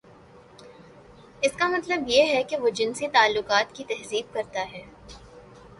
اس کا مطلب یہ ہے کہ وہ جنسی تعلقات کی تہذیب کرتا ہے۔